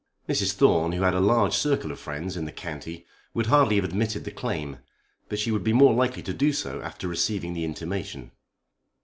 Mrs. Thorne who had a large circle of friends in the county would hardly have admitted the claim, but she would be more likely to do so after receiving the intimation.